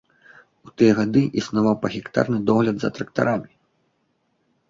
У тыя гады існаваў пагектарны догляд за трактарамі.